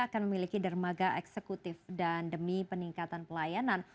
akan memiliki dermaga eksekutif dan demi peningkatan pelayanan